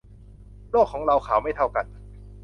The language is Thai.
โลกของเราขาวไม่เท่ากัน